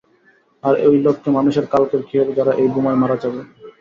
আর ঐ লক্ষ্য মানুষের কালকের কি হবে যারা এই বোমায় মারা যাবে?